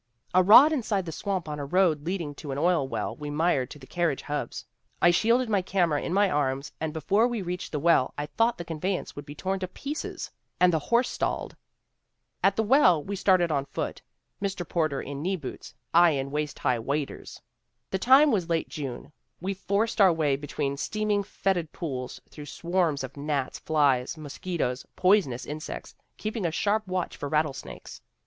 " 'A rod inside the swamp on a road leading to an oil well we mired to the carriage hubs. I shielded my camera in my arms and before we reached the well I thought the conveyance would be torn to pieces and q8 THE WOMEN WHO MAKE OUR NOVELS the horse stalled. At the well we started on foot, Mr. Porter in kneeboots, I in waist high waders. The time was late June; we forced our way between steam ing, fetid pools, through swarms of gnats, flies, mos quitoes, poisonous insects, keeping a sharp watch for rattlesnakes.